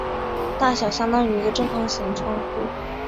大小相当于一个正方形窗户。